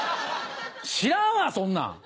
知らんわそんなん。